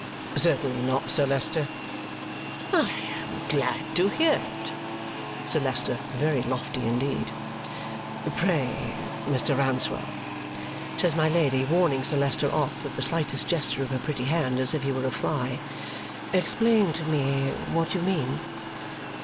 "Certainly not, Sir Leicester," "I am glad to hear it." Sir Leicester very lofty indeed. "Pray, Mr. Rouncewell," says my Lady, warning Sir Leicester off with the slightest gesture of her pretty hand, as if he were a fly, "explain to me what you mean."